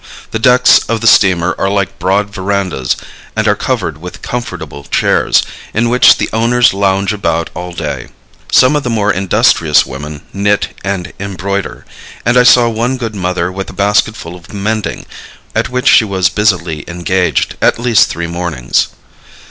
The decks of the steamer are like broad verandas and are covered with comfortable chairs, in which the owners lounge about all day. Some of the more industrious women knit and embroider, and I saw one good mother with a basket full of mending, at which she was busily engaged at least three mornings.